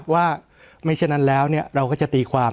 ว่าไม่ฉะนั้นแล้วเราก็จะตีความ